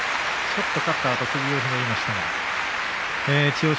勝ったあと首をひねりましたが千代翔